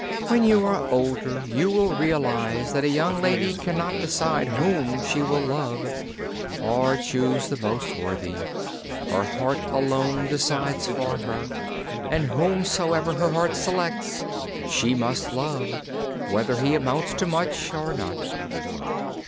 "When you are older you will realize that a young lady cannot decide whom she will love, or choose the most worthy. Her heart alone decides for her, and whomsoever her heart selects, she must love, whether he amounts to much or not."